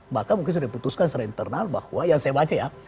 bahkan mungkin sudah diputuskan secara internal bahwa yang saya baca ya